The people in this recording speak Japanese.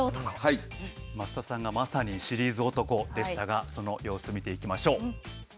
松田さんがまさにシリーズ男でしたが、その様子を見ていきましょう。